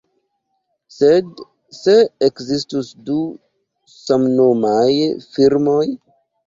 Sed, se ekzistus du samnomaj firmoj?